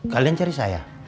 kalian cari saya